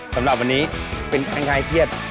สำหรับวันนี้เป็นการคลายเครียด